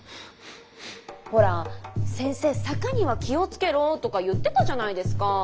ほら先生「坂には気をつけろ」とか言ってたじゃないですかぁー。